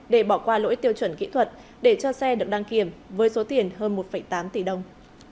để bỏ qua lỗi tiêu chuẩn kỹ thuật để cho xe được đăng kiểm với số tiền hơn một tám tỷ đồng